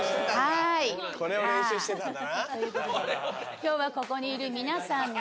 今日はここにいる皆さんに。